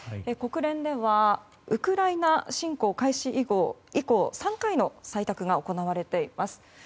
国連ではウクライナ侵攻開始以降３回の採択が行われています。